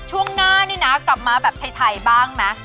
ช่วงหน้านี่นะกลับมาแบบไทยบ้างไหม